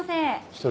１人。